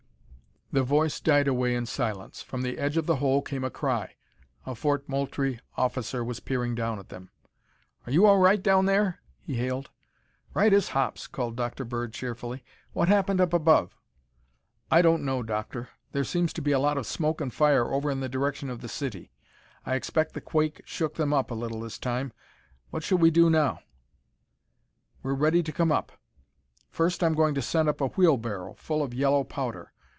The voice died away in silence. From the edge of the hole came a cry. A Fort Moultrie officer was peering down at them. "Are you all right down there?" he hailed. "Right as hops," called Dr. Bird cheerfully. "What happened up above?" "I don't know, Doctor. There seems to be a lot of smoke and fire over in the direction of the city. I expect the quake shook them up a little this time. What shall we do now?" "We're ready to come up. First I'm going to send up a wheelbarrow full of yellow powder.